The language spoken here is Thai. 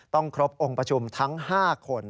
ต้องครบองค์ประชุมทั้ง๕คน